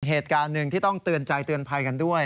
เหตุการณ์หนึ่งที่ต้องเตือนใจเตือนภัยกันด้วย